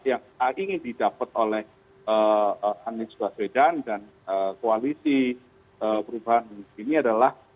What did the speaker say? yang ingin didapat oleh anies baswedan dan koalisi perubahan ini adalah